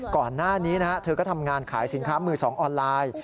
ก่อนหน้านี้เธอก็ทำงานขายสินค้ามือสองออนไลน์